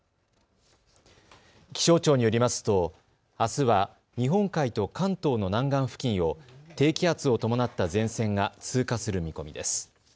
気象庁によりますとあすは日本海と関東の南岸付近を低気圧を伴った前線が通過する見込みです。